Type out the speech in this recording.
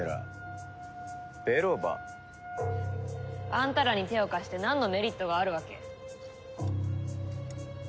あんたらに手を貸してなんのメリットがあるわけ？